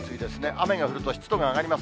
雨が降ると湿度が上がります。